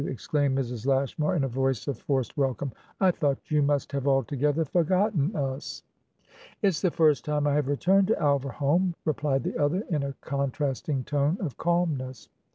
exclaimed Mrs. Lashmar, in a voice of forced welcome. "I thought you must have altogether forgotten us." "It's the first time I have returned to Alverholme," replied the other, in a contrasting tone of calmness.